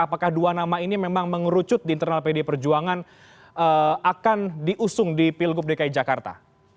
apakah dua nama ini memang mengerucut di internal pdi perjuangan akan diusung di pilgub dki jakarta